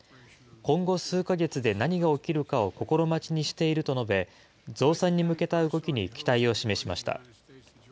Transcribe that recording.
今後数か月で何が起きるかを心待ちにしていると述べ、増産に向けた動きに期待を示しました。